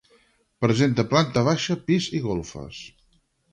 Presenta planta baixa, pis i golfes.